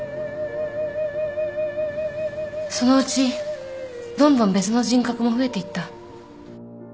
そのうちどんどん別の人格も増えていった。